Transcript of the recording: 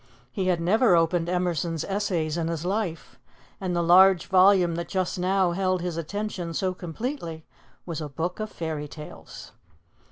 He had never opened Emerson's Essays in his life, and the large volume that just now held his attention so completely was a book of fairy tales.